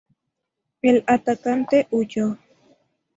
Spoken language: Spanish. El atacante huyó.